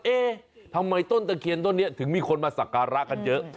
เอ๊ะทำไมต้นตะเคียนต้นนี้ถึงมีคนมาสักการะกันเยอะ